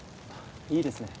いいですね